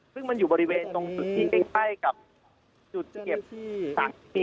ซึ่งมันอยู่บริเวณตรงจุดที่ใกล้กับจุดเก็บที่๓๔